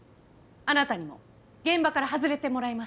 あなたにも現場から外れてもらいます。